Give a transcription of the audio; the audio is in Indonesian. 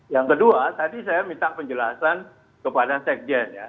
yang kedua tadi saya minta penjelasan kepada sekjen ya